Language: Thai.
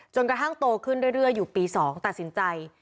กระทั่งโตขึ้นเรื่อยอยู่ปี๒ตัดสินใจ